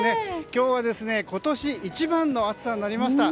今日は今年一番の暑さになりました。